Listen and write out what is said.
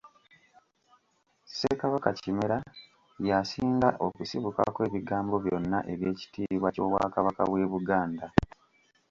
Ssekabaka Kimera ye asinga okusibukako ebigambo byonna eby'ekitiibwa ky'Obwakabaka bw'e Buganda.